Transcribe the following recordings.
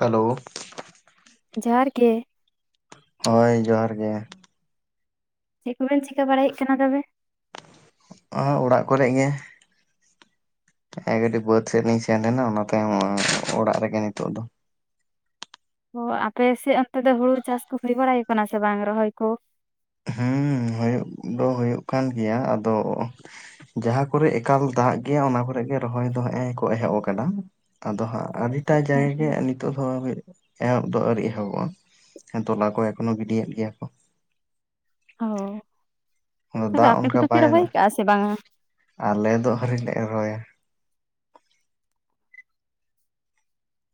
Hello ᱡᱚᱦᱟᱨ ᱜᱮ ᱦᱳᱭ ᱡᱚᱦᱟᱨ ᱜᱮ ᱪᱮᱫ ᱠᱚᱵᱮᱱ ᱪᱤᱠᱟ. ᱵᱟᱲᱟᱭᱮᱫ ᱠᱟᱱᱟ ᱛᱚᱵᱮ ᱚᱦ ᱚᱲᱟᱜ ᱠᱚᱨᱮ ᱜᱮ ᱦᱮᱸ ᱠᱟᱹᱴᱤᱡ ᱵᱟᱹᱫ ᱥᱮᱫ ᱞᱤᱧ ᱥᱮᱱ ᱞᱮᱱᱟ ᱚᱱᱟ ᱛᱟᱭᱚᱢ ᱚᱲᱟᱜ ᱨᱮᱜᱮ ᱱᱤᱛᱚᱜ ᱫᱚ ᱚ ᱟᱯᱮᱥᱮᱫ ᱚᱱᱛᱮ ᱫᱚ ᱦᱩᱲᱩ ᱪᱟᱥ ᱠᱚ ᱦᱩᱭ ᱵᱟᱲᱟᱭ ᱠᱟᱱᱟ ᱥᱮ ᱵᱟᱝ ᱨᱚᱦᱚᱭ ᱠᱚ ᱦᱩᱸ ᱦᱩᱭᱩᱜ ᱫᱚ ᱦᱩᱭᱩᱜ ᱠᱟᱱ ᱜᱮᱭᱟ ᱟᱫᱚ ᱡᱟᱦᱟᱸ ᱠᱚᱨᱮᱜ ᱮᱠᱟᱞ ᱫᱟᱜ ᱜᱮᱭᱟ ᱚᱱᱟ ᱠᱚᱨᱮ ᱜᱮ ᱨᱚᱦᱚᱭ ᱫᱚ ᱦᱮᱜᱸᱮ ᱠᱚ ᱮᱦᱚᱵ ᱟᱠᱟᱫᱟ ᱟᱫᱚ ᱦᱟᱸᱜ ᱟᱹᱰᱤᱴᱟᱜ ᱦᱮᱸ, ᱡᱟᱭᱜᱮ ᱱᱤᱛ ᱱᱤᱛᱚᱜ ᱦᱟᱵᱤᱡ ᱮᱦᱚᱵ ᱫᱚ ᱟᱹᱣᱨᱤ ᱮᱦᱚᱵᱚᱜᱼᱟ ᱛᱚᱞᱟ ᱠᱚ ᱮᱠᱷᱚᱱᱚ ᱜᱤᱰᱤᱭᱮᱫ ᱜᱮᱭᱟ ᱠᱚ ᱚ ᱟᱫᱚ ᱛᱚᱵᱮ ᱫᱟᱜ ᱟᱯᱱᱟ ᱠᱚ ᱚᱱᱠᱟ ᱛᱚ ᱯᱷᱤᱨ ᱵᱟᱭ ᱵᱷ ᱫᱟ ᱟ ᱥᱮ ᱵᱟᱝᱼᱟ? ᱟᱞᱮ ᱫᱚᱜ ᱦᱟᱹᱨᱤᱡ ᱞᱮ ᱨᱚᱦᱚᱭᱟ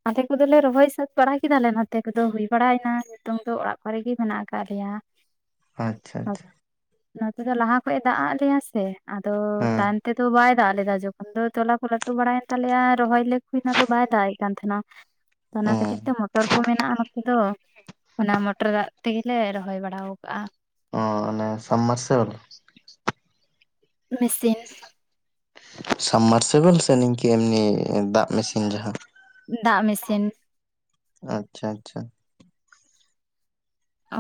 ᱟᱞᱮ ᱠᱚᱫᱚᱞᱮ ᱨᱚᱦᱚᱭ ᱥᱟᱹᱛ ᱵᱟᱲᱟ ᱠᱮᱫᱟᱞᱮ ᱱᱚᱛᱮ ᱠᱚᱫᱚ ᱦᱩᱭ ᱵᱟᱲᱟᱭᱱᱟ ᱱᱤᱛᱚᱝ ᱫᱚ ᱚᱲᱟᱜ ᱠᱚᱨᱮ ᱜᱮᱮ ᱢᱮᱱᱟᱜ ᱟᱠᱟᱫ ᱞᱮᱭᱟ᱾ [unintelligible] ᱟᱪᱪᱷᱟ ᱟᱪᱪᱷᱟ [unintelligible] ᱱᱚᱛᱮ ᱫᱚ ᱞᱟᱦᱟ ᱠᱷᱚᱡ ᱮ ᱫᱟᱜ ᱟᱫ ᱞᱮᱭᱟ ᱥᱮ ᱟᱫᱚ ᱦᱮᱸ ᱛᱟᱭᱚᱢ ᱛᱮᱫᱚ ᱵᱟᱭ ᱫᱟᱜ ᱞᱮᱫᱟ ᱡᱚᱠᱷᱚᱱ ᱫᱚ ᱛᱚᱞᱟ ᱠᱚ ᱵᱟᱲᱟᱭᱮᱱ ᱛᱟᱞᱮᱭᱟ ᱨᱚᱦᱚᱭ ᱚᱱᱟ ᱫᱚ ᱵᱟᱭ ᱫᱟᱜ ᱮᱫ ᱠᱟᱱ ᱛᱟᱦᱮᱱᱟ ᱚᱱᱟ ᱚ ᱠᱷᱟᱹᱛᱤᱨ ᱛᱮ ᱢᱚᱴᱚᱨ ᱠᱚ ᱢᱮᱱᱟᱜᱼᱟ ᱱᱚᱛᱮ ᱫᱚ ᱚᱱᱟ ᱢᱚᱴᱚᱨ ᱫᱟᱜ ᱛᱮᱜᱮᱞᱮ ᱨᱚᱦᱚᱭ ᱵᱟᱲᱟ ᱟᱠᱟᱜᱼᱟ᱾ ᱚ ᱚᱱᱮ ᱥᱟᱵᱽ ᱢᱟᱨᱟᱨᱥᱮᱞ ᱢᱮᱥᱤᱱ ᱥᱟᱵᱢᱟᱨᱥᱤᱵᱮᱞ ᱥᱮ ᱱᱤᱝᱠᱟᱹ ᱮᱢᱱᱤ ᱫᱟᱜ ᱢᱮᱥᱤᱱ ᱡᱟᱦᱟᱸ ᱫᱟᱜ ᱢᱮᱥᱤᱱ ᱟᱪᱪᱷᱟ ᱟᱪᱪᱷᱟ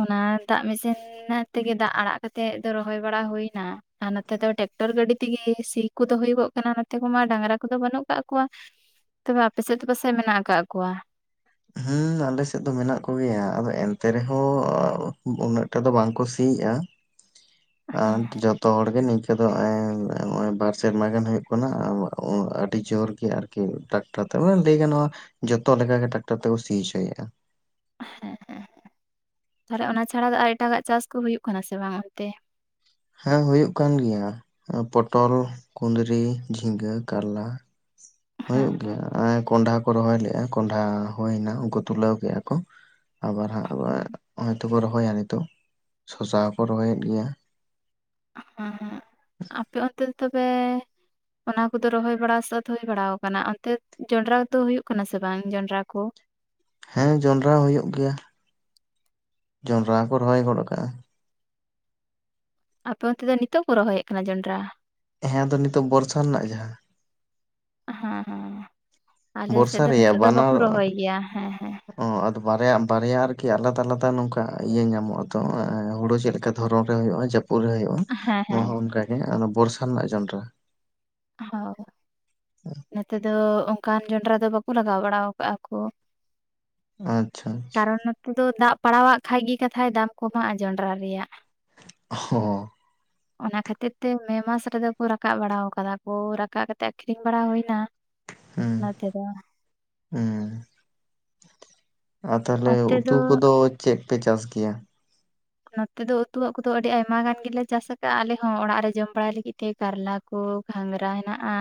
ᱚᱱᱟ ᱫᱟᱜ ᱢᱮᱥᱤᱱ ᱛᱮᱜᱮ ᱫᱟᱜ ᱟᱲᱟᱜ ᱠᱟᱛᱮᱫ ᱫᱚ ᱨᱚᱦᱚᱭ ᱵᱟᱲᱟ ᱦᱩᱭ ᱮᱱᱟ᱾ ᱟᱨ ᱱᱚᱛᱮ ᱫᱚ ᱴᱨᱟᱠᱴᱚᱨ ᱜᱟᱹᱰᱤ ᱛᱮᱜᱮ ᱥᱤ ᱠᱚᱫᱚ ᱦᱩᱭᱩᱜᱚᱜ ᱠᱟᱱᱟ ᱱᱚᱛᱮ ᱠᱚᱢᱟ ᱰᱟᱝᱨᱟ ᱠᱚᱫᱚ ᱵᱟᱹᱱᱩᱜ ᱠᱟᱜ ᱠᱚᱣᱟ᱾ ᱛᱚᱵᱮ ᱟᱯᱮᱥᱮᱫ ᱫᱚ ᱯᱟᱥᱮᱡ ᱢᱮᱱᱟᱜ ᱟᱠᱟᱫ ᱠᱚᱣᱟ? ᱦᱮᱸ ᱟᱞᱮᱥᱮᱫ ᱫᱚ ᱢᱮᱱᱟᱜ ᱠᱚᱜᱮᱭᱟ ᱟᱫᱚ ᱮᱱᱛᱮ ᱨᱮᱦᱚᱸ ᱩᱱᱟᱹᱜ ᱴᱟ ᱫᱚ ᱵᱟᱝᱠᱚ ᱥᱤᱭᱮᱫᱼ ᱟ᱾ ᱟᱨ ᱦᱮᱸ ᱡᱚᱛᱚ ᱦᱚᱲᱜᱮ ᱱᱤᱝᱠᱟᱹ ᱫᱚᱜ ᱱᱚᱜᱚᱭ ᱵᱟᱨ ᱥᱮᱨᱢᱟᱟᱜᱟᱱ ᱦᱩᱭᱩᱜ ᱠᱟᱱᱟ ᱟᱹᱰᱤ ᱡᱳᱨ ᱟᱨᱠᱤ ᱴᱟᱠᱴᱟᱨ ᱛᱮ ᱞᱟᱹᱭ ᱜᱟᱱᱚᱜᱼᱟ ᱡᱚᱛᱚ ᱞᱮᱠᱟᱜᱮ ᱴᱟᱠᱴᱟᱨ ᱛᱮᱠᱚ ᱥᱤ ᱦᱚᱪᱚᱭᱮᱫᱼᱟ᱾ ᱦᱮᱸ ᱦᱮᱸ ᱛᱟᱦᱚᱞᱮ ᱚᱱᱟ ᱪᱷᱟᱲᱟ ᱫᱚ ᱟᱨ ᱮᱴᱟᱜᱟᱜ ᱪᱟᱥ ᱠᱚ ᱦᱩᱭᱩᱜ ᱠᱟᱱᱟ ᱥᱮ ᱵᱟᱝ ᱚᱱᱛᱮ? ᱦᱮᱸ ᱦᱩᱭᱩᱜ ᱠᱟᱱ ᱜᱮᱭᱟ ᱯᱚᱴᱚᱞ, ᱠᱩᱸᱫᱽᱨᱤ, ᱡᱷᱤᱸᱜᱟᱹ, ᱠᱟᱨᱞᱟ, ᱦᱮᱸ ᱦᱩᱭᱩᱜ ᱦᱮᱸ ᱜᱮᱭᱟ ᱟᱨ ᱠᱚᱸᱰᱷᱟᱟ ᱠᱚ ᱨᱚᱦᱚᱭ ᱞᱮᱫᱼᱟ᱾ ᱠᱚᱸᱰᱷᱟ ᱦᱩᱭᱱᱟ ᱩᱱᱠᱩ ᱛᱩᱞᱟᱹᱣ ᱠᱮᱫᱼᱟ ᱠᱚ ᱟᱵᱟᱨ ᱦᱟᱸᱜ ᱟᱵᱟᱨ ᱦᱚᱭ ᱛᱚᱠᱚ ᱨᱚᱦᱚᱭᱟ ᱱᱤᱛᱚᱜ ᱥᱚᱥᱟ ᱦᱚᱸᱠᱚ ᱨᱚᱦᱚᱭᱮᱫ ᱜᱮᱭᱟ᱾ ᱦᱮᱸ ᱦᱮᱸ ᱟᱯᱮ ᱚᱱᱛᱮ ᱫᱚ ᱛᱚᱵᱮ ᱚᱱᱟ ᱠᱚᱫᱚ ᱨᱚᱦᱚᱭ ᱵᱟᱲᱟ ᱥᱟᱹᱛ ᱦᱩᱭ ᱵᱟᱲᱟ ᱟᱠᱟᱱᱟ᱾ ᱚᱱᱛᱮ ᱡᱚᱸᱰᱨᱟ ᱫᱚ ᱦᱳᱭᱳ ᱠᱟᱱᱟ ᱥᱮ ᱵᱟᱝ ᱡᱚᱱᱰᱨᱟ ᱠᱚ? ᱦᱮᱸ ᱡᱚᱸᱰᱨᱟ ᱦᱩᱭᱩᱜ ᱜᱮᱭᱟ᱾ ᱡᱚᱸᱰᱨᱟ ᱠᱚ ᱨᱚᱦᱚᱭ ᱜᱚᱫ ᱠᱟᱜᱼᱟ᱾ ᱟᱯᱮ ᱚᱱᱛᱮ ᱫᱚ ᱱᱤᱛᱚᱜ ᱠᱚ ᱨᱚᱦᱚᱭᱮᱫ ᱠᱟᱱᱟ ᱡᱚᱱᱰᱨᱟ? ᱦᱮᱸ ᱟᱫᱚ ᱱᱤᱛᱚᱜ ᱵᱚᱨᱥᱟ ᱨᱮᱱᱟᱜ ᱡᱟᱦᱟᱸ ᱦᱮᱸ ᱦᱮᱸ ᱟᱞᱮ ᱵᱚᱨᱥᱟ ᱥᱮᱫ ᱫᱚ ᱨᱮᱭᱟᱜ ᱱᱤᱛᱳᱜ ᱫᱚ ᱵᱟᱠᱚ ᱵᱟᱱᱟᱨ ᱨᱚᱦᱚᱭ ᱜᱮᱭᱟ ᱦᱮᱸ ᱦᱮᱸ ᱚ ᱟᱫᱚ ᱵᱟᱨᱭᱟ ᱵᱟᱨᱭᱟ ᱟᱨᱠᱤ ᱟᱞᱟᱫᱟ ᱟᱞᱟᱫᱟ ᱱᱚᱝᱠᱟ ᱤᱭᱟᱹ ᱧᱟᱢᱚᱜᱼᱟ ᱛᱚ ᱦᱩᱲᱩ ᱪᱮᱫ ᱫᱷᱚᱨᱚᱱ ᱨᱮ ᱦᱳᱭᱜᱼᱟ ᱡᱟᱹᱯᱩᱫ ᱨᱮ ᱦᱳᱭᱼᱟ ᱦᱮᱸ ᱱᱚᱣᱟ ᱦᱮᱸ ᱦᱚᱸ ᱚᱱᱠᱟᱜ ᱜᱮ ᱵᱚᱨᱥᱟ ᱨᱮᱱᱟᱜ ᱡᱚᱸᱰᱨᱟ ᱦᱚᱭ ᱱᱮᱛᱮ ᱫᱚ ᱚᱱᱠᱟᱱ ᱡᱚᱱᱰᱨᱟ ᱫᱚ ᱵᱟᱠᱚ ᱞᱟᱜᱟᱣ ᱵᱟᱲᱟ ᱠᱟᱜᱼᱟ ᱠᱚ᱾ ᱟᱪᱪᱷᱟ ᱟᱪᱪᱷᱟ ᱠᱟᱨᱚᱱ ᱱᱚᱛᱮ ᱫᱚ ᱫᱟᱜ ᱯᱟᱲᱟᱣᱟᱜ ᱠᱷᱟᱱ ᱜᱮ ᱠᱟᱛᱷᱟᱭ ᱫᱟᱢ ᱠᱚᱢᱟᱜᱼᱟ ᱡᱚᱱᱰᱨᱟ ᱨᱮᱭᱟᱜ ᱦᱚᱸ [inaudible] ᱚᱱᱟ ᱠᱷᱟᱹᱛᱤᱨ ᱛᱮ ᱢᱮ ᱢᱟᱥ ᱨᱮᱫᱚ ᱠᱚ ᱨᱟᱠᱟᱵ ᱵᱟᱲᱟ ᱟᱠᱟᱫᱟ ᱠᱚ ᱨᱟᱠᱟᱵ ᱠᱟᱛᱮ ᱟᱠᱷᱨᱤᱧ ᱵᱟᱲᱟ ᱦᱩᱭ ᱮᱱᱟ᱾ ᱦᱩᱸ ᱦᱩᱸ ᱟᱨ ᱛᱟᱦᱚᱞᱮ ᱚᱱᱛᱮ ᱩᱛᱩ ᱫᱚ ᱠᱚᱫᱚ ᱪᱮᱫ ᱯᱮ ᱪᱟᱥ ᱜᱮᱭᱟ ᱱᱚᱛᱮ ᱫᱚ ᱩᱛᱩᱣᱟᱜ ᱠᱚᱫᱚ ᱟᱹᱰᱤ ᱟᱭᱢᱟ ᱜᱟᱱ ᱜᱮᱞᱮ ᱪᱟᱥ ᱟᱠᱟᱫᱟᱼᱟ ᱟᱞᱮᱦᱚ ᱚᱲᱟᱜ ᱨᱮ ᱡᱚᱢ ᱵᱟᱲᱟᱭ ᱞᱟᱹᱜᱤᱫ ᱛᱮ ᱠᱟᱨᱞᱟ ᱠᱚ ᱜᱷᱟᱜᱽᱨᱟ ᱦᱮᱱᱟᱜᱼᱟ᱾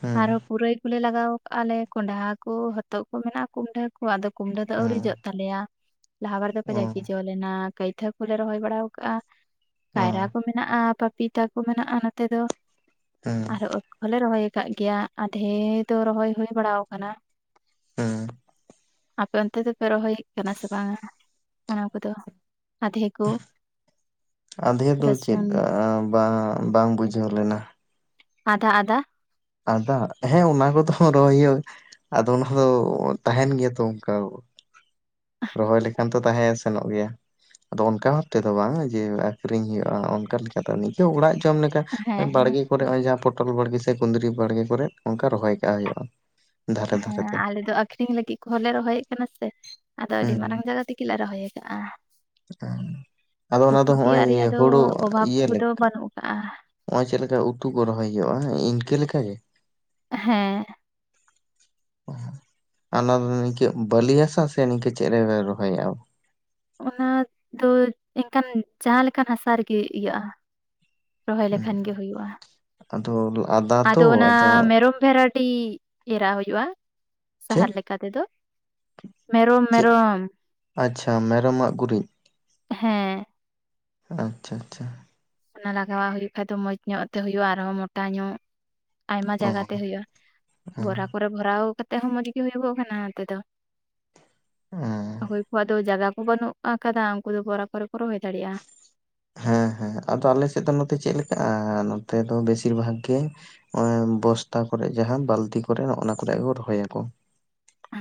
ᱦᱩᱸ ᱟᱨᱦᱚᱸ ᱯᱩᱨᱟᱹᱭ ᱠᱚᱞᱮ ᱞᱟᱜᱟᱣ ᱠᱟᱜᱼᱟ ᱞᱮ ᱠᱚᱸᱰᱷᱟ ᱠᱚ ᱦᱚᱛᱚᱫ ᱠᱚ ᱢᱮᱱᱟᱜᱼᱟ ᱠᱩᱸᱰᱟᱹ ᱠᱚ ᱟᱫᱚ ᱠᱩᱢᱰᱟᱹ ᱫᱚ ᱟᱹᱣᱨᱤ ᱦᱩᱸ ᱡᱚᱜ ᱛᱟᱞᱮᱭᱟ ᱞᱟᱦᱟ ᱵᱟᱨ ᱫᱚᱠᱚ ᱚ ᱡᱟᱜᱤ ᱡᱚ ᱞᱮᱱᱟ᱾ ᱠᱟᱹᱭᱛᱟᱹ ᱠᱚᱞᱮ ᱨᱚᱦᱚᱭ ᱵᱟᱲᱟ ᱟᱠᱟᱟᱜᱼᱟ ᱚ ᱠᱟᱭᱨᱟ ᱠᱚ ᱢᱮᱱᱟᱜᱼᱟ ᱯᱟᱯᱤᱛ ᱛᱟ ᱠᱚ ᱢᱮᱱᱟᱜᱼᱟ ᱱᱚᱛᱮ ᱫᱚ ᱦᱩᱸ ᱟᱨᱚ ᱦᱚᱞᱮ ᱨᱚᱦᱚᱭ ᱟᱠᱟᱫ ᱜᱮᱭᱟ ᱟᱫᱷᱮ ᱫᱚ ᱨᱚᱦᱚᱭ ᱦᱩᱭ ᱵᱟᱲᱟ ᱟᱠᱟᱱᱟ᱾ ᱦᱮᱸ ᱟᱯᱮ ᱚᱱᱛᱮ ᱫᱚᱯᱮ ᱨᱚᱦᱚᱭᱮᱫ ᱠᱟᱱᱟ ᱥᱮ ᱵᱟᱝᱟ ᱚᱱᱟ ᱠᱚᱫᱚ? ᱟᱫᱷᱮ ᱠᱚ ᱟᱫᱷᱮ ᱫᱚ ᱪᱮᱫ ᱨᱟᱹᱥᱩᱱ ᱵᱟᱝ ᱵᱟᱝ ᱵᱩᱡᱷᱟᱹᱣ ᱞᱮᱱᱟ ᱟᱫᱟ ᱟᱫᱟ ᱟᱫᱟ ᱦᱮᱸ ᱚᱱᱟ ᱠᱚᱫᱚ ᱨᱚᱦᱚᱭ ᱦᱩᱭᱩᱜ [inaudible] ᱟᱫᱚ ᱚᱱᱟ ᱫᱚ ᱛᱟᱦᱮᱱ ᱜᱮᱭᱟ ᱛᱚ ᱚᱱᱠᱟ ᱨᱚᱦᱚᱭ ᱞᱮᱠᱷᱟᱱ ᱛᱚ ᱛᱟᱦᱮᱸ ᱥᱮᱱᱚᱜ ᱜᱮᱭᱟ ᱟᱫᱚ ᱚᱱᱠᱟ ᱵᱷᱟᱵ ᱛᱮᱫᱚ ᱵᱟᱝᱟ ᱡᱮ ᱟᱠᱷᱨᱤᱧ ᱦᱩᱭᱩᱜᱼᱟ ᱚᱱᱠᱟ ᱞᱮᱠᱟ ᱱᱤᱡᱮ ᱚᱲᱟᱜ ᱡᱚᱢ ᱞᱮᱠᱟ ᱦᱮᱸ ᱦᱮᱸ ᱵᱟᱲᱜᱮ ᱠᱚᱨᱮ ᱱᱚᱜᱼᱚᱭ ᱡᱟᱦᱟᱸ ᱯᱚᱴᱚᱞ ᱵᱟᱲᱜᱮ ᱥᱮ ᱠᱩᱸᱫᱽᱨᱤ ᱵᱟᱲᱜᱮ ᱠᱚᱨᱮ ᱚᱱᱠᱟ ᱨᱚᱦᱚᱭ ᱠᱟᱜ ᱦᱳᱭᱳᱜᱼᱟ ᱦᱮᱸ ᱟᱞᱮ ᱫᱚ ᱟᱠᱷᱨᱤᱧ ᱞᱟᱹᱜᱤᱫ ᱠᱚᱦᱚᱸᱞᱮ ᱨᱚᱦᱚᱭᱮᱫ ᱠᱟᱱᱟ ᱥᱮ ᱟᱫᱚ ᱟᱹᱰᱤ ᱦᱩᱸ ᱢᱟᱨᱟᱝ ᱡᱟᱭᱜᱟ ᱛᱮᱜᱮᱞᱮ ᱨᱚᱦᱚᱭ ᱟᱠᱟᱫᱼᱟ [unintelligible] ᱚᱱᱟ ᱩᱛᱩ ᱫᱚ ᱛᱮᱭᱟᱜ ᱨᱮᱭᱟᱜ ᱦᱚᱸᱜᱼᱚᱭ ᱫᱚ ᱦᱳᱲᱳ ᱚᱵᱷᱟᱵᱽ ᱠᱚ ᱫᱚ ᱵᱟᱹᱱᱩᱜ ᱟᱠᱟᱜᱼᱟ ᱢᱚᱡᱽ ᱞᱮᱠᱟ ᱩᱛᱩ ᱠᱚ ᱨᱚᱦᱚᱭ ᱦᱩᱭᱩᱜᱼᱟ ᱤᱱᱠᱟᱹ ᱞᱮᱠᱟ ᱜᱮ᱾ ᱦᱮᱸ᱾ ᱚᱱᱟ ᱫᱚ [unintelligible] ᱪᱮᱫ ᱵᱟᱹᱞᱤᱭᱟᱹ ᱦᱟᱥᱟ ᱤᱝᱠᱟᱹ ᱪᱮᱫ ᱨᱮ ᱨᱚᱦᱚᱭᱟ ᱵᱚ? ᱚᱱᱟ ᱫᱚ ᱮᱱᱠᱟᱱ ᱡᱟᱦᱟᱸ ᱞᱮᱠᱟᱱ ᱦᱟᱥᱟ ᱨᱮᱜᱮ ᱤᱭᱟᱹᱜᱼᱟ? ᱨᱚᱦᱚᱭ ᱞᱮᱠᱷᱟᱱ ᱜᱮ ᱦᱩᱭᱩᱜᱼᱟ᱾ ᱟᱫᱚ ᱟᱫᱟ ᱛᱚ ᱟᱫᱚ ᱵᱷᱮᱨᱟᱭᱴᱤ ᱮᱨᱟᱜ ᱦᱩᱭᱩᱜᱼᱟ ᱪᱮᱫ ᱥᱟᱦᱟᱨ ᱞᱮᱠᱟ ᱛᱮ ᱫᱚ ᱢᱮᱨᱚᱢ ᱪᱮᱫ ᱢᱮᱨᱚᱢ ᱟᱪᱪᱷᱟ ᱢᱮᱨᱚᱢᱟᱜ ᱜᱩᱨᱤᱡ ᱦᱮᱸ ᱟᱪᱪᱷᱟ ᱟᱪᱪᱷᱟ ᱚᱱᱟ ᱞᱟᱜᱟᱣᱟᱜ ᱦᱩᱭᱩᱜ ᱠᱷᱟᱡ ᱫᱚ ᱢᱚᱸᱡᱽ ᱧᱚᱜ ᱛᱮ ᱦᱳᱭᱳᱜ-ᱟ ᱟᱨᱦᱚᱸ ᱢᱚᱴᱟ ᱧᱚᱜ ᱟᱭᱢᱟ ᱚ ᱡᱟᱭᱜᱟᱛᱮ ᱦᱩᱭᱩᱜᱼᱟ ᱦᱮᱸ ᱵᱚᱨᱟ ᱠᱚᱨᱮ ᱵᱷᱚᱨᱟᱣ ᱠᱟᱛᱮᱜ ᱦᱚᱸ ᱢᱚᱸᱡᱽ ᱜᱮ ᱦᱳᱭᱳᱜᱚᱜ ᱠᱟᱱᱟ ᱱᱚᱛᱮ ᱫᱚ ᱦᱮᱸ ᱚᱠᱚᱭ ᱠᱚᱣᱟᱜ ᱫᱚ ᱡᱟᱭᱜᱟ ᱠᱚ ᱵᱟᱹᱱᱩᱜ ᱟᱠᱟᱫᱟ ᱩᱱᱠᱩ ᱫᱚ ᱵᱚᱨᱟ ᱠᱚᱨᱮ ᱠᱚ ᱨᱚᱦᱚᱭ ᱫᱟᱲᱮᱭᱟᱜᱼᱟ ᱦᱮᱸ ᱦᱮᱸ ᱟᱫᱚ ᱟᱞᱮ ᱥᱮᱫ ᱫᱚ ᱱᱚᱛᱮ ᱪᱮᱫ ᱞᱮᱠᱟᱜᱼᱟ ᱱᱚᱛᱮ ᱫᱚ ᱵᱮᱥᱤᱨ ᱵᱷᱟᱜᱽ ᱜᱮ ᱚᱱᱮ ᱵᱚᱥᱛᱟ ᱠᱚᱨᱮ ᱡᱟᱦᱟᱸ ᱵᱟᱹᱞᱛᱤ ᱠᱚᱨᱮ ᱱᱚᱜ-ᱚ ᱱᱚᱶᱟ ᱠᱚ ᱨᱮᱭᱟᱜ ᱠᱚ ᱨᱚᱦᱚᱭᱟᱠᱚ᱾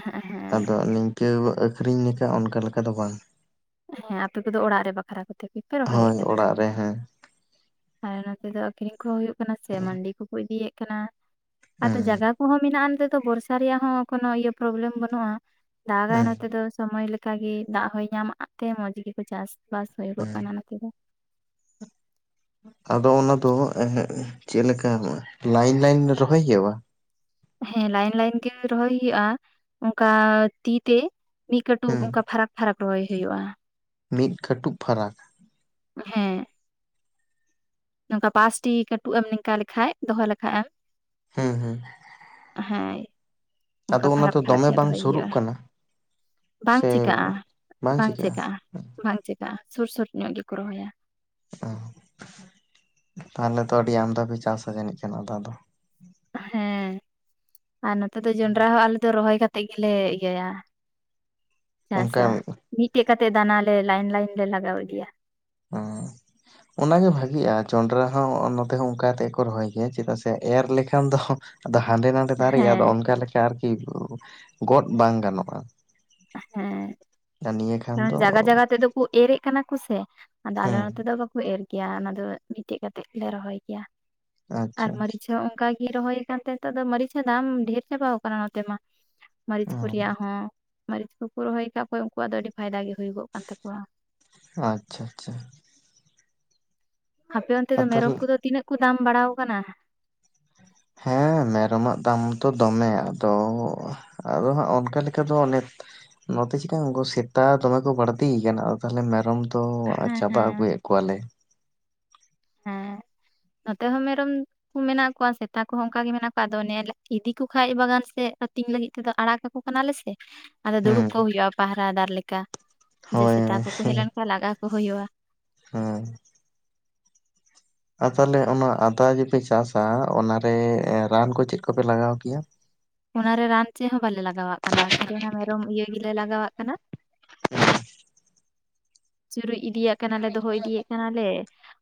ᱦᱮᱸ ᱦᱮᱸ ᱟᱫᱚ ᱱᱤᱝᱠᱟᱹ ᱟᱹᱠᱷᱨᱤᱧ ᱞᱮᱠᱟ ᱚᱱᱠᱟ ᱞᱮᱠᱟ ᱫᱚ ᱵᱟᱝ? ᱦᱮᱸ ᱟᱯᱮ ᱠᱚᱫᱚ ᱚᱲᱟᱜ ᱨᱮ ᱵᱟᱠᱷᱨᱟ ᱠᱚᱛᱮ ᱜᱮᱯᱮ ᱨᱚᱦᱚᱭᱮᱫ ᱦᱳᱭ ᱠᱟᱱᱟ? ᱚᱲᱟᱜ ᱨᱮ ᱦᱮᱸ ᱟᱨ ᱱᱚᱛᱮ ᱫᱚ ᱟᱹᱠᱷᱨᱤᱧ ᱠᱚᱦᱚᱸ ᱦᱳᱭᱳᱜ ᱠᱟᱱᱟ ᱥᱮ ᱢᱟᱹᱱᱰᱤ ᱠᱚ ᱠᱚ ᱤᱫᱤᱭᱮᱫ ᱠᱟᱱᱟ᱾ ᱟᱫᱚ ᱦᱮᱸ ᱡᱟᱜᱟ ᱠᱚᱦᱚᱸ ᱢᱮᱱᱟᱜᱼᱟ ᱱᱚᱛᱮ ᱫᱚ ᱵᱚᱨᱥᱟ ᱨᱮᱭᱟᱜ ᱦᱚᱸ ᱠᱳᱱᱳ ᱤᱭᱟᱹ ᱯᱨᱚᱵᱞᱮᱢ ᱵᱟᱹᱱᱩᱜᱼᱟ᱾ ᱫᱟᱜᱟᱭ ᱦᱮᱸ ᱱᱚᱛᱮ ᱫᱚ ᱥᱚᱢᱚᱭ ᱞᱮᱠᱟ ᱜᱮ ᱫᱟᱜ ᱦᱚᱸᱭ ᱧᱟᱢ ᱟᱜ ᱛᱮ ᱢᱚᱸᱡᱽ ᱜᱮᱠᱚ ᱪᱟᱥ᱾ ᱵᱟᱥ ᱦᱩᱭᱩᱜᱚᱜ ᱦᱮᱸ ᱠᱟᱱᱟ ᱱᱚᱛᱮ ᱫᱚ᱾ ᱟᱫᱚ ᱚᱱᱟ ᱫᱚ ᱮᱦᱮᱜ ᱪᱮᱫ ᱞᱮᱠᱟ ᱞᱟᱭᱤᱱ ᱞᱟᱭᱤᱱ ᱨᱚᱦᱚᱭ ᱦᱩᱭᱩᱜᱼᱟ? ᱦᱮᱸ ᱞᱟᱭᱤᱱ ᱞᱟᱭᱤᱱ ᱜᱮ ᱨᱚᱦᱚᱭ ᱦᱩᱭᱩᱜᱼᱟ ᱚᱱᱠᱟ ᱛᱤ ᱛᱮ᱾ ᱢᱤᱫ ᱠᱟᱹᱴᱩᱵ ᱦᱮᱸ ᱚᱱᱠᱟ ᱯᱷᱟᱨᱟᱠ ᱯᱷᱟᱨᱟᱠ ᱨᱚᱦᱚᱭ ᱦᱩᱭᱩᱜᱼᱟ᱾ ᱢᱤᱫ ᱠᱟᱹᱴᱩᱵ ᱯᱷᱟᱨᱟᱠ᱾ ᱦᱮᱸ᱾ ᱱᱚᱝᱠᱟ ᱯᱟᱸᱪᱴᱤ ᱠᱟᱹᱴᱩᱵ ᱮᱢ ᱱᱤᱝᱠᱟ ᱞᱮᱠᱷᱟᱡ ᱫᱚᱦᱚ ᱞᱮᱠᱷᱟᱡ ᱮᱢ ᱦᱩᱸ ᱦᱩᱸ᱾ ᱦᱳᱭ᱾ ᱚᱱᱠᱟ ᱯᱷᱟᱨᱟᱯ ᱯᱷᱟᱨᱟᱯ ᱧᱚᱜ ᱵᱟᱝ ᱫᱚᱦᱚᱭ ᱥᱩᱨᱩᱜ ᱦᱩᱭᱩᱜᱼᱟ᱾ ᱠᱟᱱᱟ ᱵᱟᱝ ᱥᱮ ᱪᱮᱠᱟᱜᱼᱟ ᱵᱟᱝ ᱪᱮᱠᱟᱜᱼᱟ᱾ ᱵᱟᱝ ᱪᱮᱠᱟᱜᱼᱟ ᱥᱩᱨ ᱥᱩᱨ ᱧᱚᱜ ᱜᱮᱠᱚ ᱨᱚᱦᱚᱭᱟ᱾ ᱛᱟᱦᱞᱮ ᱛᱚ ᱟᱹᱰᱤ ᱟᱢᱫᱟᱯᱮ ᱪᱟᱥᱟ ᱡᱟᱹᱱᱤᱡ ᱠᱷᱟᱱ ᱟᱫᱟ ᱫᱚ? ᱦᱮᱸ᱾ ᱟᱨ ᱱᱚᱛᱮ ᱫᱚ ᱡᱚᱱᱰᱨᱟ ᱦᱚᱸ ᱟᱞᱮ ᱫᱚ ᱨᱚᱦᱚᱭ ᱠᱟᱛᱮᱫ ᱜᱮᱞᱮ ᱤᱭᱟᱹᱭᱟ᱾ ᱚᱱᱠᱟ ᱪᱟᱥᱟ᱾ ᱦᱮᱸ ᱢᱤᱫᱴᱮᱡ ᱠᱟᱛᱮᱫ ᱫᱟᱱᱟ ᱞᱮ ᱞᱟᱭᱤᱱ ᱞᱟᱭᱤᱱ ᱞᱮ ᱞᱟᱜᱟᱣ ᱤᱫᱤᱭᱟ᱾ [unintelligible] ᱚᱱᱟᱜᱮ ᱵᱷᱟᱜᱤᱜᱼᱟ ᱡᱚᱸᱰᱨᱟ ᱦᱚᱸ ᱱᱚᱛᱮ ᱦᱚᱸ ᱚᱱᱠᱟ ᱠᱟᱛᱮ ᱜᱮ ᱠᱚ ᱨᱚᱦᱚᱭ ᱜᱮᱭᱟ ᱪᱮᱫᱟᱜ ᱥᱮ ᱮᱨ ᱞᱮᱠᱷᱟᱱ ᱫᱚ ᱟᱫᱚ ᱦᱟᱸᱰᱮ ᱱᱟᱰᱮ ᱫᱟᱨᱮᱜᱼᱟ ᱦᱮᱸ ᱟᱫᱚ ᱚᱱᱠᱟ ᱞᱮᱠᱟ ᱟᱨᱠᱤ ᱜᱚᱫ ᱵᱟᱝ ᱜᱟᱱᱚᱜᱼᱟ᱾ ᱦᱮᱸ ᱟᱨ ᱱᱤᱭᱟᱹ ᱠᱷᱟᱱ ᱡᱮᱢᱚᱱ ᱫᱚ ᱡᱟᱜᱟ ᱡᱟᱜᱟ ᱛᱮᱫᱚ ᱠᱚ ᱮᱨᱮᱫ ᱠᱟᱱᱟ ᱠᱚ ᱥᱮ᱾ ᱟᱫᱚ ᱟᱞᱮ ᱦᱮᱸ ᱱᱚᱛᱮ ᱫᱚ ᱵᱟᱠᱚ ᱮᱨ ᱜᱮᱭᱟ᱾ ᱚᱱᱟ ᱫᱚ ᱜᱤᱛᱤᱡ ᱠᱟᱛᱮᱜ ᱞᱮ ᱨᱚᱦᱚᱭ ᱜᱮᱭᱟ ᱟᱨ ᱟᱪᱪᱷᱟ ᱟᱪᱪᱷᱟ ᱢᱟᱹᱨᱤᱪ ᱟᱫᱚ ᱚᱱᱠᱟ ᱜᱤ ᱨᱚᱦᱚᱭ ᱠᱟᱱ ᱛᱟᱦᱮᱸ ᱱᱤᱛᱚᱜ ᱫᱚ ᱢᱟᱨᱟᱹᱨᱤᱪ ᱦᱚᱸ ᱫᱟᱢ ᱰᱷᱮᱨ ᱪᱟᱵᱟᱟᱣ ᱟᱠᱟᱱᱟ ᱱᱚᱛᱮ ᱢᱟ᱾ ᱢᱟᱹᱨᱤᱪ ᱠᱚ ᱨᱮᱭᱟᱜ ᱦᱚᱸ ᱢᱟᱹᱨᱤᱪ ᱠᱚᱠᱚ ᱨᱚᱦᱚᱭ ᱟᱠᱟᱫ ᱚᱠᱚᱭ ᱩᱱᱠᱩᱣᱟᱜ ᱫᱚ ᱟᱹᱰᱤᱜ ᱯᱷᱟᱭᱫᱟ ᱜᱮ ᱦᱩᱭᱩᱜᱚᱜ ᱠᱟᱱ ᱛᱟᱠᱚᱣᱟ᱾ ᱟᱪᱪᱷᱟ ᱟᱪᱪᱷᱟ᱾ ᱟᱯᱮ ᱚᱱᱛᱮ ᱫᱚ ᱟᱨ ᱢᱮᱨᱚᱢ ᱛᱟᱦᱚᱞᱮ ᱠᱚᱫᱚ ᱛᱤᱱᱟᱹᱜ ᱠᱚ ᱫᱟᱢ ᱵᱟᱲᱟᱣ ᱟᱠᱟᱱᱟ᱾ ᱦᱮᱸ [inaudible] ᱢᱮᱨᱚᱢᱟᱜ ᱫᱟᱢ ᱫᱚ ᱫᱚᱢᱮ ᱟᱫᱚ, ᱟᱫᱚ ᱦᱟᱸᱜ ᱚᱱᱠᱟ ᱞᱮᱠᱟ ᱫᱚ ᱱᱤᱛ ᱱᱚᱛᱮ ᱪᱤᱠᱟ ᱩᱱᱠᱩ ᱥᱮᱛᱟ ᱫᱚᱢᱮ ᱠᱚ ᱵᱟᱹᱲᱛᱤᱭᱮᱱᱟ ᱛᱟᱦᱞᱮ ᱢᱮᱨᱚᱢ ᱛᱚ ᱟ ᱦᱮᱸ ᱪᱟᱵᱟ ᱦᱮᱸ ᱟᱹᱜᱩᱭᱮᱫ ᱠᱚᱣᱟᱞᱮ᱾ ᱦᱩᱸ᱾ ᱱᱚᱛᱮ ᱦᱚᱸ ᱢᱮᱨᱚᱢ ᱢᱮᱱᱟᱜ ᱠᱚᱣᱟ ᱥᱮᱛᱟ ᱠᱚᱦᱚᱸ ᱚᱱᱠᱟᱜ ᱜᱮ ᱢᱮᱱᱟᱜ ᱠᱚᱣᱟ ᱟᱫᱚ ᱚᱱᱮ ᱤᱫᱤ ᱠᱚ ᱠᱷᱟᱱ ᱵᱟᱜᱟᱱ ᱥᱮᱮᱫ ᱟᱹᱛᱤᱧ ᱞᱟᱹᱜᱤᱫ ᱛᱮᱫᱚ ᱟᱲᱟᱜ ᱠᱟᱠᱚ ᱵᱞᱮ ᱥᱮ ᱟᱫᱚ ᱫᱩᱲᱩᱵ ᱦᱩᱸ ᱠᱚ ᱦᱩᱭᱩᱜᱼᱟ ᱯᱟᱦᱟ ᱫᱟᱨ ᱞᱮᱠᱟ ᱡᱮ ᱦᱳᱭ ᱥᱮᱛᱟ ᱠᱚᱠᱚ ᱦᱮᱡ ᱞᱮᱱᱠᱷᱟᱱ ᱞᱟᱜᱟᱣ ᱠᱚ ᱦᱩᱭᱩᱜᱼᱟ ᱦᱮᱸ ᱟ ᱛᱟᱦᱚᱞᱮ ᱚᱱᱟ ᱟᱫᱟ ᱡᱮᱯᱮ ᱪᱟᱥᱟ ᱚᱱᱟᱨᱮ ᱨᱟᱱ ᱠᱚ ᱪᱮᱫ ᱠᱚᱯᱮ ᱞᱟᱜᱟᱣ ᱠᱮᱭᱟ ᱚᱱᱟᱨᱮ ᱨᱟᱱ ᱪᱮᱫ ᱦᱚᱸ ᱵᱟᱞᱮ ᱞᱟᱜᱟᱣᱟᱜ ᱠᱟᱱᱟ ᱠᱷᱟᱹᱞᱤ ᱚᱱᱟ ᱢᱮᱨᱚᱢ ᱤᱭᱟᱹ ᱜᱮᱞᱮ ᱞᱟᱜᱟᱣᱟᱜ ᱠᱟᱱᱟ ᱪᱩᱨᱩᱡ ᱤᱫᱤᱭᱟᱜ ᱠᱟᱱᱟᱞᱮ ᱫᱚᱦᱚ ᱤᱫᱤᱭᱮᱫ ᱠᱟᱱᱟ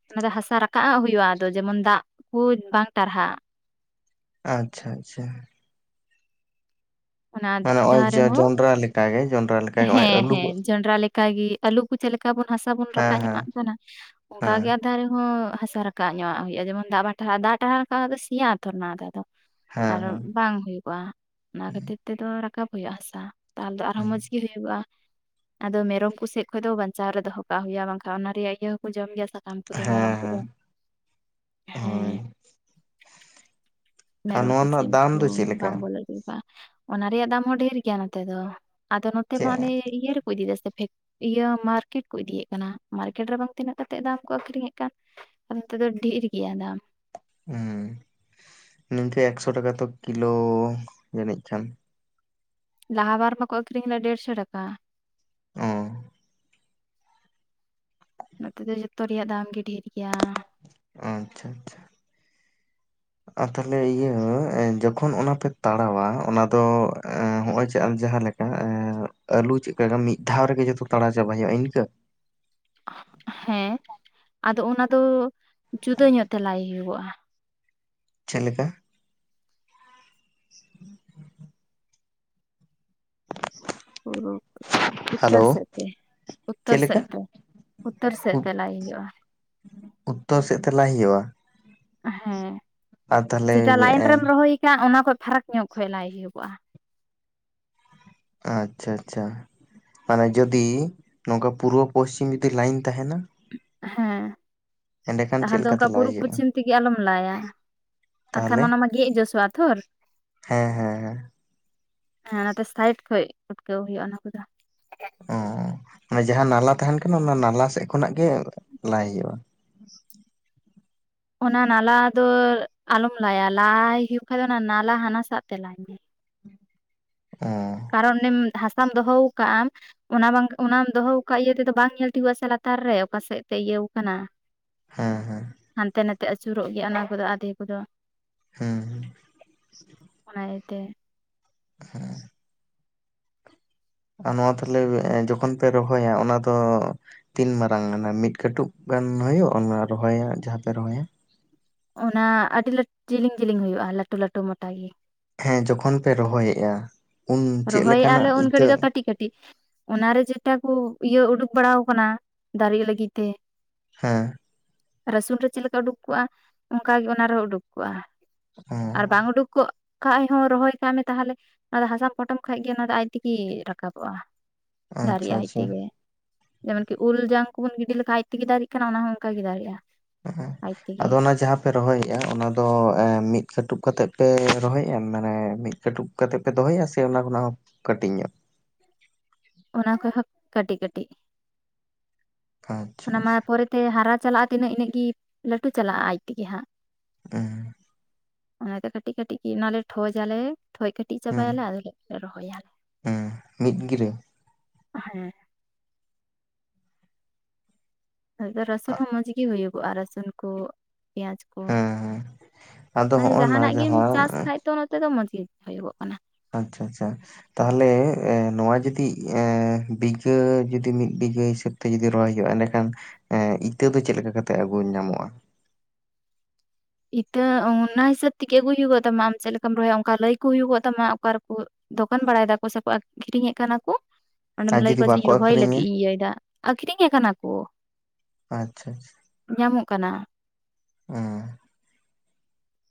ᱚᱱᱟ ᱫᱚ ᱦᱟᱥᱟ ᱨᱟᱠᱟᱵ ᱦᱩᱭᱩᱜᱼᱟ ᱟᱫᱚ ᱡᱮᱢᱚᱱ ᱫᱟᱜ ᱠᱚ ᱵᱟᱝ ᱴᱟᱨᱦᱟᱜ ᱟᱪᱪᱷᱟ ᱟᱪᱪᱷᱟ᱾ ᱚᱱᱟ ᱢᱟᱱᱮ ᱱᱚᱜᱼᱚᱭ [unintelligible] ᱨᱮᱦᱚᱸ ᱡᱚᱱᱰᱨᱟ ᱞᱮᱠᱟᱜᱮ ᱡᱚᱱᱰᱨᱟ ᱞᱮᱠᱟᱜᱮ ᱱᱚᱜᱼᱚᱭ ᱦᱮᱸ ᱟᱹᱞᱩ ᱠᱚ ᱦᱮᱸ ᱡᱚᱱᱰᱨᱟ ᱞᱮ [unintelligible] ᱜᱮ ᱟᱞᱩ ᱠᱚ ᱪᱮᱫ ᱞᱮᱠᱟ ᱵᱚᱱ ᱦᱟᱥᱟ ᱵᱚᱱ ᱦᱮᱸ ᱨᱟᱠᱟᱵ ᱧᱚᱜ ᱦᱮᱸ ᱠᱟᱱᱟ᱾ ᱚᱱᱠᱟ ᱦᱮᱸ ᱜᱮ ᱫᱟᱨᱮ ᱦᱚᱸ ᱦᱟᱥᱟ ᱨᱟᱠᱟᱵ ᱧᱚᱜ ᱦᱩᱭᱩᱜᱼᱟ ᱡᱮᱢᱚᱱ ᱫᱟᱜ ᱴᱟᱨᱷᱟᱜ-ᱟ᱾ ᱫᱟᱜ ᱴᱟᱨᱷᱟ ᱞᱮᱠᱷᱟᱱ ᱥᱮᱭᱟᱜ ᱛᱷᱚᱨ ᱚᱱᱟᱜ ᱫᱚ᱾ ᱟᱨᱦᱚᱸ ᱦᱮᱸ ᱵᱟᱝ ᱦᱩᱭᱩᱜᱼᱟ᱾ ᱚᱱᱟ ᱠᱷᱟᱹᱛᱤᱨ ᱛᱮᱫᱚ ᱨᱟᱠᱟᱵ ᱦᱩᱭᱩᱜᱼᱟ ᱦᱟᱥᱟ᱾ ᱟᱫᱟ ᱟᱨᱦᱚᱸ ᱦᱮᱸ ᱢᱚᱸᱡᱽ ᱜᱤ [unintelligible] [unintelligible] ᱟᱫᱚ ᱢᱮᱨᱚᱢ ᱠᱚ ᱥᱮᱫ ᱠᱷᱚᱡ ᱫᱚ ᱵᱟᱧᱪᱟᱣ ᱨᱮ ᱫᱚᱦᱚ ᱠᱟᱜ ᱦᱩᱭᱩᱜᱼᱟ ᱵᱟᱝᱠᱷᱟᱱ ᱚᱱᱟ ᱨᱮᱭᱟᱜ ᱤᱭᱟᱹ ᱠᱚ ᱡᱚᱢ ᱜᱮᱭᱟ ᱥᱟᱠᱟᱢ ᱠᱚᱫᱚ ᱢᱮᱨᱚᱢ ᱦᱮᱸ ᱠᱚᱫᱚ᱾ ᱦᱮᱸ ᱦᱳᱭ ᱦᱮᱸ ᱟᱨ ᱢᱮᱨᱚᱢ ᱱᱚᱣᱟ ᱠᱚ ᱨᱮᱱᱟᱜ ᱫᱟᱢ ᱥᱤᱢᱠᱩ ᱫᱚ ᱪᱮᱫ ᱞᱮᱠᱟ? ᱵᱟᱝᱢ ᱵᱚᱞᱚ ᱫᱚᱨᱠᱟᱨ ᱚᱱᱟ ᱨᱮᱭᱟᱜ ᱫᱟᱢ ᱦᱚᱸ ᱰᱷᱮᱨ ᱜᱮᱭᱟ ᱱᱚᱛᱮ ᱫᱚ ᱟᱫᱚ ᱱᱚᱛᱮ ᱢᱟ ᱚᱱᱮ ᱪᱮᱫ ᱤᱭᱟᱹ ᱨᱮ ᱤᱫᱤᱭᱮᱫᱟᱤᱭᱟᱹ ᱢᱟᱨᱠᱮᱴ ᱠᱚ ᱤᱫᱤᱭᱮᱫ ᱠᱟᱱᱟ ᱢᱟᱨᱠᱮᱴ ᱨᱮ ᱵᱟᱝ ᱛᱤᱱᱟᱹᱜ ᱠᱟᱛᱮᱮᱫ ᱫᱟᱢ ᱠᱚ ᱟᱠᱷᱨᱤᱧᱮᱫ ᱠᱟᱱ ᱱᱚᱛᱮ ᱫᱚ ᱰᱷᱮᱨ ᱜᱮᱭᱟ ᱫᱟᱢ ᱦᱮᱸ ᱱᱤᱝᱠᱟᱹ ᱮᱠᱥᱚ ᱴᱟᱠᱟ ᱛᱚ ᱠᱤᱞᱳ ᱡᱱᱤᱡ ᱠᱷᱟᱱ ᱞᱟᱦᱟ ᱵᱟᱨ ᱢᱟᱠᱚ ᱟᱹᱷᱨᱤᱧᱫᱟ ᱰᱮᱲᱥᱚ ᱴᱟᱠᱟ ᱚ ᱱᱚᱛᱮ ᱫᱚ ᱡᱚᱛᱚ ᱨᱮᱭᱟᱜ ᱫᱟᱢ ᱜᱮ ᱰᱷᱮᱨ ᱜᱮᱭᱟ ᱟᱪᱪᱷᱟ ᱟᱪᱪᱷᱟ [unintelligible] ᱛᱟᱦᱚᱞᱮ ᱤᱭᱟᱹ ᱡᱚᱠᱷᱚᱱ ᱚᱱᱟ ᱯᱮ ᱛᱟᱲᱣᱟ ᱚᱱᱟ ᱫᱚ ᱦᱚᱜ ᱚᱭ ᱡᱮ ᱡᱟᱦᱟᱸᱮᱠᱟ [inaudible] ᱟᱞᱩ ᱪᱮᱫᱞᱮ ᱢᱤᱫ ᱫᱷᱟᱣ ᱨᱮᱜᱮ ᱡᱚᱛᱚ ᱛᱟᱲᱟ ᱪᱟᱵᱟᱭ ᱦᱩᱭᱩᱜᱼᱟ ᱤᱱᱠᱟᱹ ᱦᱮᱸ ᱟᱫᱚ ᱚᱱᱟ ᱫᱚ ᱡᱩᱫᱟᱹ ᱧᱚᱜ ᱛᱮ ᱞᱟᱭ ᱦᱩᱭᱩᱜᱼᱟ ᱪᱮᱫ ᱞᱮᱠᱟ? ᱦᱸ [unintelligible] [inaudible] ᱟᱪᱪᱷᱟ ᱦᱮᱞᱳ ᱩᱛᱛᱚᱨ ᱥᱮᱫ ᱛᱮ ᱪᱮᱫ ᱩᱛᱛᱚᱨ ᱞᱮᱠᱟ ᱥᱮᱫ ᱛᱮ ᱩᱛᱟᱹᱨ ᱥᱮᱫ ᱩᱛ ᱛᱮ ᱞᱟᱭ ᱦᱩᱭᱩᱜᱼᱟ ᱩᱛᱛᱚᱨ ᱥᱮᱫ ᱛᱮᱟᱞᱟᱭ ᱦᱩᱭᱩᱜᱼᱟ ᱦᱮᱸ ᱟᱨ ᱛᱟᱦᱚᱞᱮ ᱡᱮᱴᱟ ᱞᱟᱭᱤᱱ ᱮᱸ ᱨᱮᱢ ᱨᱚᱦᱚᱭ ᱟᱠᱟᱫ ᱚᱱᱟ ᱠᱷᱚᱡ ᱯᱷᱟᱨᱟᱠ ᱧᱚᱜ ᱠᱷ ᱞᱟᱭ ᱦᱩᱭᱩᱜᱚᱜᱼᱟ ᱟᱪᱪᱷᱟ ᱟᱪᱪᱷᱟ ᱢᱟᱱᱮ ᱡᱩᱫᱤ ᱱᱚᱝᱠᱟ ᱯᱩᱨᱵᱚ ᱯᱚᱥᱪᱤᱢ ᱡᱩᱫᱤ ᱞᱟᱭᱤᱱ ᱛᱟᱦᱮᱱᱟ ᱦᱮᱸ ᱮᱸᱰᱮᱠᱷᱟᱱ ᱛᱟᱦᱚᱞ ᱪᱮᱫ ᱫᱚ ᱚᱱᱠᱟ ᱞᱮᱠᱟᱛᱮ ᱞᱟᱭ ᱯᱩᱨᱩᱵ ᱦᱩᱭᱩᱜᱼᱟ ᱯᱚᱪᱷᱤᱢ ᱛᱮᱜᱮ ᱟᱞᱚᱢ ᱞᱟᱭᱟ ᱟᱨᱠᱷᱟᱱ ᱛᱟᱦᱚᱞᱮ ᱚᱱᱟ ᱢᱟ ᱜᱮᱫ ᱡᱚᱥᱚᱜᱼᱟ ᱛᱚ [unintelligible] ᱦᱮᱸ ᱦᱮᱸ ᱦᱮᱸ ᱦᱮᱸ ᱚᱱᱟᱛᱮ ᱥᱟᱭᱤᱴ ᱠᱷᱚᱡ ᱩᱴᱠᱟᱹᱣ ᱦᱩᱭᱩᱜᱼᱟ ᱚᱱᱟ ᱠᱚᱫᱚ᱾ ᱚ ᱢᱟᱱᱮ ᱡᱟᱦᱟᱸ ᱱᱟᱞᱟ ᱛᱟᱦᱮᱱ ᱠᱟᱱᱟ ᱚᱱᱟ ᱱᱟᱞᱟ ᱥᱮᱫ ᱠᱷᱚᱱᱟᱜ ᱜᱮ ᱞᱟᱭ ᱦᱩᱭᱩᱜᱼᱟ᱾ ᱚᱱᱟ ᱱᱟᱞᱟ ᱫᱚ ᱟᱞᱚᱢ ᱞᱟᱭᱟ ᱞᱟᱟᱭ ᱦᱩᱭᱩᱜ ᱠᱷᱟ ᱫᱚ ᱚᱱᱟ ᱱᱟᱞᱟ ᱦᱟᱱᱟᱥ ᱛᱮ ᱞᱟᱭ ᱢᱮ᱾ ᱚᱸᱻ ᱠᱟᱨᱚᱱᱮᱢ [unintelligible] ᱦᱟᱥᱟᱢ ᱫᱚᱦᱚ ᱠᱟᱼᱟᱢ᱾ ᱚᱱᱟ ᱵᱟᱝ ᱚᱱᱟᱢ ᱫᱚᱦᱚ ᱟᱠᱟᱫ ᱤᱭᱟᱹ ᱛᱮᱫᱚ ᱵᱟᱝ ᱧᱮᱞ ᱴᱷᱤᱠᱟᱹᱜ ᱟ ᱥᱮ ᱞᱟᱛᱟᱨ ᱨᱮ ᱚᱠᱟ ᱥᱮᱫ ᱛᱮ ᱤᱭᱟᱹᱣ ᱟᱠᱟᱱᱟ᱾ ᱦᱮᱸ ᱦᱮᱸ ᱦᱟᱱᱛᱮ ᱱᱟᱛᱮ ᱟᱹᱪᱩᱨᱚᱜ ᱜᱮᱭᱟ ᱚᱱᱟ ᱠᱚᱫᱚ ᱟᱫᱷᱮ ᱠᱚᱫᱚ᱾ ᱦᱮᱸ ᱚᱱᱟ ᱤᱭᱟᱹ ᱛᱮ ᱦᱮᱸ [unintelligible] ᱟᱨ ᱱᱚᱣᱟ ᱛᱟᱦᱞᱮ ᱡᱚᱠᱷᱚᱱ ᱯᱮ ᱨᱚᱦᱚᱭᱟ ᱚᱱᱟ ᱫᱚ ᱼᱼ ᱛᱤᱱ ᱢᱟᱨᱟᱝ ᱜᱟᱱᱟ ᱢᱤᱫ ᱠᱟᱹᱴᱩᱵ ᱜᱟᱱ ᱦᱩᱭᱩᱜᱼᱟ ᱚᱱᱟ ᱨᱚᱦᱚᱭᱟ ᱡᱟᱦᱟᱸ ᱯᱮ ᱨᱚᱦᱚᱭᱟ? ᱚᱱᱟ ᱟᱹᱰᱤ ᱞ [inaudible] ᱡᱮᱞᱮᱧ ᱡᱮᱞᱤᱧ ᱦᱩᱭᱩᱜᱼᱟ ᱞᱟᱹᱴᱩ ᱞᱟᱹᱴᱩ ᱢᱚᱴᱟ ᱜᱮ। ᱦᱮᱸ ᱡᱚᱠᱷᱚᱱ ᱯᱮ ᱨᱚᱦᱚᱭᱮᱫ - ᱟ ᱨᱚᱦᱚᱭᱮ ᱟᱞᱮ ᱩᱱ ᱜᱷᱟᱹᱲᱤᱡ ᱫᱚ ᱠᱟᱹᱴᱤᱡ ᱠᱟᱹᱴᱤᱡ᱾ ᱚᱱᱟᱨᱮ ᱡᱚᱛᱚᱠᱚ ᱤᱭᱟᱹ ᱩᱰᱩᱠ ᱵᱟᱲᱟᱣ ᱟᱠᱟᱱᱟ ᱫᱟᱨᱮᱜ ᱞᱟᱹᱜᱤᱫ ᱛᱮ᱾ ᱦᱮᱸ ᱨᱟᱹᱥᱩᱱ ᱨᱮ ᱪᱮᱫ ᱞᱮᱠᱟ ᱩᱰᱩᱠ ᱠᱚᱜᱼᱟ ᱚᱱᱠᱟᱜ ᱜᱮ ᱚᱱᱟ ᱨᱮᱦᱚᱸ ᱩᱰᱩᱠ ᱠᱚᱜᱼᱟ। ᱦᱮᱸ ᱟᱨ ᱵᱟᱝ ᱩᱰᱩᱠ ᱠᱚᱚᱜ ᱠᱷᱟᱱ ᱦᱚᱸ ᱨᱚᱦᱚᱭ ᱠᱟᱜ ᱢᱮ ᱛᱟᱦᱚᱞᱮ ᱚᱱᱟ ᱫᱚ ᱦᱟᱸᱥᱟ ᱼᱼ ᱯᱚᱴᱚᱢ ᱠᱷᱟᱡ ᱜᱮ ᱚᱱᱟ ᱟᱡ ᱛᱮᱜᱮ ᱨᱟᱠᱟᱵᱚᱜᱼᱟ ᱫᱟᱨᱮ ᱟᱪᱪᱷᱟ ᱟ ᱟᱡ ᱟᱪᱪᱷᱟ ᱛᱮᱜᱮ। ᱡᱮᱢᱚᱱᱠᱤ ᱩᱞ ᱡᱟᱝ ᱠᱚᱵᱚᱱ ᱜᱤᱰᱤ ᱞᱮᱠᱟᱱ ᱟᱡ ᱛᱮᱜᱮ ᱫᱟᱲᱮᱜ ᱠᱟᱱᱟ ᱚᱱᱟ ᱦᱚᱸ ᱚᱱᱠᱟᱜᱮ ᱫᱟᱨᱮᱜᱼᱟ᱾ ᱦᱮ ᱟᱡ ᱛᱮᱜᱮ ᱟᱫᱚ ᱚᱱᱟ ᱡᱟᱦᱟᱸ ᱯᱮ ᱨᱚᱦᱚᱭᱮᱼᱟ ᱚᱱᱟ ᱫᱚ ᱮ ᱢᱤᱫ ᱠᱟᱹᱴᱩᱵ ᱠᱟᱛᱮ ᱯᱮ ᱨᱚᱦᱚᱭᱮᱼᱟ ᱢᱟᱱᱮ ᱢᱤᱫ ᱠᱟᱹᱴᱩᱵ᱾ ᱠᱟᱛᱮᱜ ᱯᱮ ᱫᱚᱦᱚᱭᱟ ᱥᱮ ᱚᱱᱟ ᱠᱷᱚᱱᱟᱜ ᱦᱚᱸ ᱠᱟᱴᱤᱡᱧᱚᱜ? ᱚᱱᱟ ᱠᱚᱦᱚ ᱠᱟᱹᱴᱤᱡ ᱠᱟᱹᱴᱤᱡ ᱟᱪᱪᱷᱟ ᱚᱱᱟ ᱢᱟ ᱟᱪᱪᱷᱟ ᱯᱚᱨᱮ ᱼᱼ ᱛᱮ ᱦᱟᱨᱟ ᱪᱟᱞᱟᱜᱼᱟ ᱛᱤᱱᱟᱹᱜ ᱤᱱᱟᱹᱜ ᱜᱮ ᱞᱟᱹᱴᱩ ᱪᱟᱞᱟᱜᱼᱟ ᱟᱡ ᱛᱮᱜᱮ ᱦᱟᱸᱜ। ᱳ ᱚᱱᱟᱫᱚ ᱠᱟᱹᱴᱤᱡ ᱠᱟᱹᱴᱤᱡ ᱜᱮ ᱚᱱᱟᱞᱮ ᱴᱷᱚᱡᱟᱞᱮ ᱴᱷᱚᱡ ᱠᱟᱹᱴᱤᱡ ᱪᱟᱵᱟᱭᱟᱞᱮ ᱟᱫᱚ ᱞᱮ ᱨᱚᱦᱚᱭᱟᱞᱮ᱾ ᱦᱮᱸ ᱢᱤᱫ ᱜᱤᱨᱟᱹ? ᱦᱮᱸ ᱨᱟᱹᱥᱩᱱ ᱦᱚᱸ ᱢᱚᱸᱡᱽ ᱜᱮ ᱦᱩᱭᱩᱜᱚᱜᱼᱟ ᱨᱟᱥᱩᱱ ᱠᱚ ᱯᱮᱸᱭᱟᱡ ᱼᱼ ᱠᱚ ᱦᱮᱸ ᱦᱮᱸ ᱟᱫᱚ ᱢᱟᱱᱮ ᱦᱚᱜᱼᱚ ᱱᱟ ᱡᱟᱦᱟᱱᱟᱜ ᱜᱮᱢ ᱡᱟᱦᱟᱸ ᱪᱟᱥ ᱠᱷᱟᱡ ᱛᱚ ᱚᱱᱟ ᱛᱮᱫᱚ ᱢᱚᱡᱽ ᱜᱮ ᱦᱩᱭᱩᱜᱚᱜ ᱠᱟᱱᱟ। ᱟᱪᱪᱷᱟ ᱟᱪᱪᱷᱟ ᱛᱟᱦᱚᱞᱮ ᱮᱸ ᱱᱚᱣᱟ ᱡᱩᱫᱤ ᱮᱸ ᱵᱤᱜᱷᱟᱹ ᱡᱩᱫᱤ ᱢᱤᱫ ᱵᱤᱜᱷᱟᱹ ᱦᱤᱥᱟᱹᱵ ᱼᱼ ᱡᱩᱫᱤ ᱨᱚᱦᱚᱭ ᱦᱩᱭᱩᱜᱼᱟ ᱮᱸᱰᱮᱠᱷᱟᱱ ᱮᱸ ᱤᱛᱟᱹ ᱫᱚ ᱪᱮᱫ ᱞᱮᱠᱟ ᱠᱟᱛᱮ ᱟᱹᱜᱩ ᱧᱟᱢᱚᱜᱼᱟ? ᱤᱛᱟᱹ ᱚᱱᱟ ᱦᱤᱥᱟᱹᱵᱽ ᱛᱮᱜᱮ ᱟᱹᱜᱩᱭ ᱦᱩᱭᱩᱜᱚᱜ ᱛᱟᱢᱟ ᱟᱢ ᱪᱮᱫ ᱞᱮᱠᱟᱢ ᱨᱚᱦᱚᱭᱟ ᱚᱱᱠᱟ ᱞᱟᱹᱭ ᱠᱚ ᱦᱩᱭᱩᱜᱚᱜ ᱛᱟᱢᱟ ᱚᱠᱟ ᱨᱮᱠᱚ ᱼᱻ ᱫᱚᱠᱟᱱ ᱵᱟᱲᱟᱭ ᱫᱟᱠᱚ ᱥᱮᱠᱚ ᱟᱠᱷᱨᱤᱧᱮᱫ ᱠᱟᱱᱟ ᱠᱚ ᱚᱸᱰᱮᱢ ᱟᱨ ᱞᱟᱹᱭ ᱡᱩᱫᱤ ᱟᱠᱣᱟ ᱡᱮᱧ ᱵᱟᱠᱚ ᱨᱚᱦᱚᱭ ᱟᱠᱷᱨᱤᱧᱟ ᱞᱟᱹᱜᱤᱫ ᱤᱧ ᱤᱭᱟᱹᱭᱮᱫᱟ। ᱟᱠᱷᱨᱤᱧᱮ ᱠᱟᱱᱟ ᱠᱚ ᱾ ᱟᱪᱪᱷᱟ ᱟᱪᱪᱷᱟ ᱧᱟᱢᱚᱜ ᱠᱟᱱᱟ᱾ ᱚ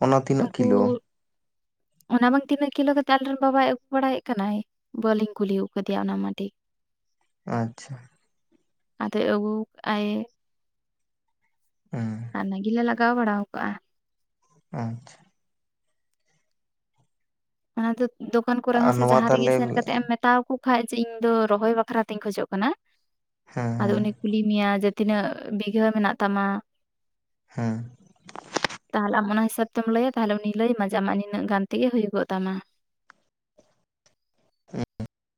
ᱚᱱᱟ ᱛᱤᱱᱟᱹᱜ ᱩᱱᱠᱩ ᱠᱤᱞᱳ? [inaudible] ᱚᱱᱟ ᱵᱟᱝ ᱛᱤᱱᱟᱹᱜ ᱠᱤᱞᱳ ᱠᱟᱛᱮᱜ ᱟᱞᱮᱨᱮᱱ ᱵᱟᱵᱟᱭ ᱟᱹᱜᱩ ᱵᱟᱲᱟᱭᱮᱫ ᱠᱟᱱᱟᱭ ᱵᱟᱹᱞᱤᱧ ᱠᱩᱞᱤ ᱟᱠᱟᱫᱮᱭᱟ ᱚᱱᱟ ᱢᱟ ᱴᱷᱤᱠ ᱾ [inaudible] ᱟᱪᱪᱷᱟ ᱟᱫᱚ ᱟᱹᱜᱩ ᱠᱟᱜ ᱟᱭ ᱦᱩᱸ ᱚᱱᱟ ᱜᱮᱞᱮ ᱞᱟᱜᱟᱣ ᱵᱟᱲᱟᱣ ᱠᱟᱜ ᱟ ᱟᱪᱪᱷᱟ ᱚᱱᱟ ᱫᱚ ᱫᱚᱠᱟᱱ ᱠᱚᱨᱮ ᱦᱚᱸ ᱟᱨ ᱥᱮ ᱱᱚᱣᱟ ᱡᱟᱦᱟᱸ ᱨᱮᱜᱮ ᱛᱟᱦᱚᱞᱮ ᱦᱮᱸ ᱥᱮᱱ ᱠᱟᱛᱮᱜ ᱮᱢ ᱢᱮᱛᱟᱣᱟᱠᱚ ᱠᱷᱟᱱ ᱡᱮ ᱤᱧ ᱫᱚ ᱨᱚᱦᱚᱭ ᱵᱟᱠᱷᱨᱟ ᱛᱤᱧ ᱠᱷᱚᱡᱚᱜ ᱠᱟᱱᱟ, ᱟᱫᱚ ᱦᱮᱸ ᱩᱱᱤ ᱠᱩᱞᱤ ᱢᱮᱭᱟ ᱡᱮ, ᱛᱤᱱᱟᱹᱜ ᱵᱤᱜᱷᱟᱹ ᱢᱮᱱᱟᱜ ᱛᱟᱢᱟ ᱦᱮᱸ ᱛᱟᱦᱞᱮ ᱟᱢ ᱚᱱᱟ ᱦᱤᱥᱟᱹᱵ ᱛᱮᱢ ᱞᱟᱹᱭᱟ ᱛᱟᱦᱞᱮ ᱩᱱᱤ ᱞᱟᱹᱭᱟᱢᱟ ᱡᱮ ᱟᱢᱟᱜ ᱱᱤᱱᱟᱹᱜ ᱜᱟᱱ ᱛᱮᱜᱮ ᱦᱩᱭᱩᱜᱚᱜ ᱛᱟᱢᱟ ᱦᱮᱸ